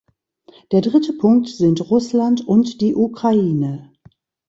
Der dritte Punkt sind Russland und die Ukraine.